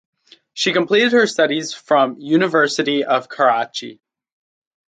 She completed her studies from University of Karachi.